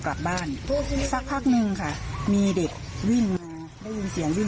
กลับบ้านสักพักนึงค่ะมีเด็กวิ่งมาได้ยินเสียงวิ่ง